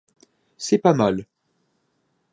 C’est pas mal.